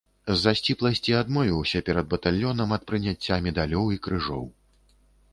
З-за сціпласці адмовіўся перад батальёнам ад прыняцця медалёў і крыжоў.